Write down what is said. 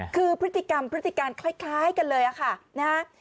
คือพฤติกรรมพฤติการคล้ายกันเลยค่ะนะฮะ